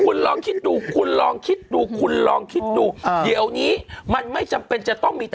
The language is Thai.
คุณลองคิดดูคุณลองคิดดูคุณลองคิดดูเดี๋ยวนี้มันไม่จำเป็นจะต้องมี